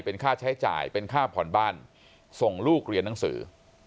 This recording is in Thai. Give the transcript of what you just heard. เป็นค่าใช้จ่ายเป็นค่าผ่อนบ้านส่งลูกเรียนหนังสือ